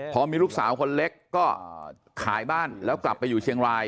พอมีลูกสาวคนเล็กก็ขายบ้านแล้วกลับไปอยู่เชียงราย